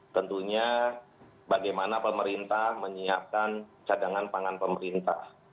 tentunya bagaimana pemerintah menyiapkan cadangan pangan pemerintah